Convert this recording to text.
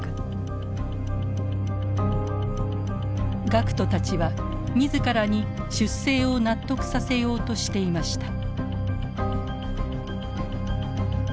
学徒たちは自らに出征を納得させようとしていました。